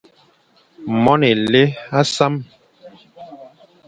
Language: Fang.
Moan élé âʼa sam.